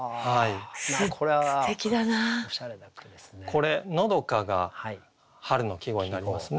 これ「のどか」が春の季語になりますね。